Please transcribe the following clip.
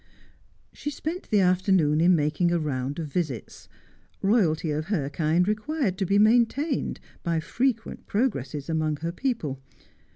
She spent the afternoon in making a round of visits. Eoyalty of her kind required to be maintained by frequent progresses among her people.